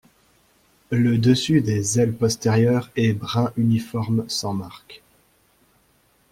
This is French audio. Le dessus des ailes postérieures est brun uniforme sans marques.